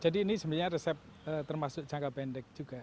jadi ini sebenarnya resep termasuk jangka pendek juga